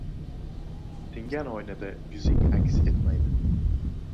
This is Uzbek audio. singan oynada yuzing aks etmaydi